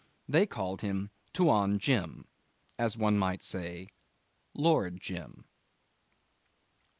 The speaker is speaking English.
They called him Tuan Jim: as one might say Lord Jim.